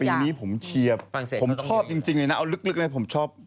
ปีนี้ผมเชียร์ผมชอบจริงเลยนะเอาลึกเลยผมชอบ